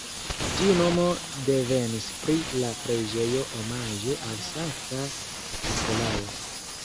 Tiu nomo devenis pri la preĝejo omaĝe al Sankta Nikolao.